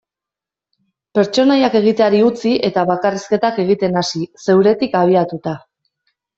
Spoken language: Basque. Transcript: Pertsonaiak egiteari utzi eta bakarrizketak egiten hasi, zeuretik abiatuta.